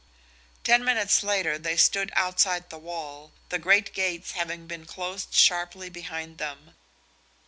Ten minutes later they stood outside the wall, the great gates having been closed sharply behind them.